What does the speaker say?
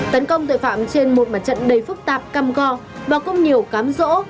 tấn công tội phạm trên một mặt trận đầy phức tạp cam go và không nhiều cám rỗ